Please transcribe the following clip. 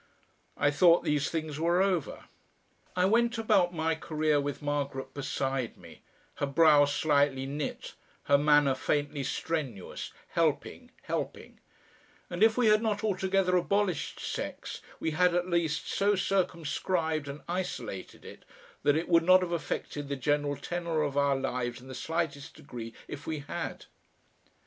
I thought these things were over. I went about my career with Margaret beside me, her brow slightly knit, her manner faintly strenuous, helping, helping; and if we had not altogether abolished sex we had at least so circumscribed and isolated it that it would not have affected the general tenor of our lives in the slightest degree if we had.